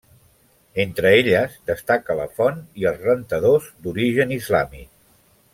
Entre elles, destaca la font i els rentadors d'origen islàmic.